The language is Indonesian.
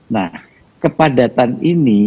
nah kepadatan ini